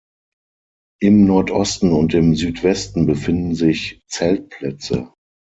Im Nordosten und im Südwesten befinden sich Zeltplätze.